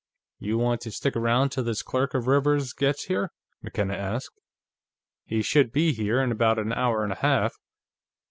"You want to stick around till this clerk of Rivers's gets here?" McKenna asked. "He should be here in about an hour and a half."